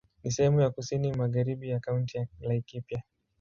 Ni sehemu ya kusini magharibi ya Kaunti ya Laikipia.